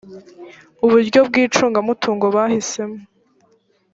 uburyo bw icungamutungo bahisemo